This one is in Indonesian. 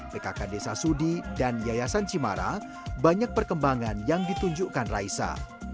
pkk desa sudi dan yayasan cimara banyak perkembangan yang ditunjukkan raisa